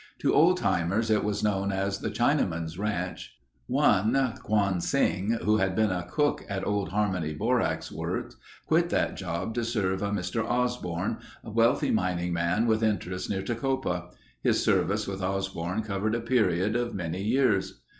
To old timers it was known as The Chinaman's Ranch. One Quon Sing, who had been a cook at Old Harmony Borax Works quit that job to serve a Mr. Osborn, wealthy mining man with interests near Tecopa. His service with Osborn covered a period of many years.